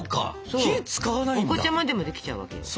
おこちゃまでもできちゃうわけよ。